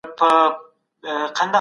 موږ به سبا په دي وخت کي په کور کي یو.